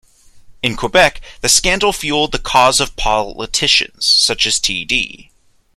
In Quebec, the scandal fuelled the cause of politicians - such as T.-D.